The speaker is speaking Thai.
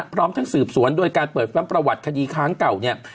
พร้อมทั้งสืบสวนโดยการเปิดแฟมประวัติคดีค้างเก่าเนี่ย